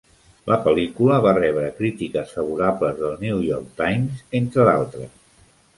La pel·lícula va rebre crítiques favorables del New York Times, entre d'altres.